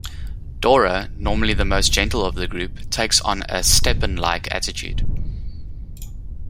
Dora, normally the most gentle of the group, takes on a Stepan-like attitude.